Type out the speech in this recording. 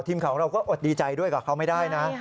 ทีมข่าวของเราก็อดดีใจด้วยกับเขาไม่ได้นะ